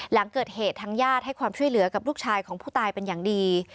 หลังเกิดเหตุทางญาติให้ความช่วยเหลือกับลูกชายของผู้ตายเป็นอย่างดี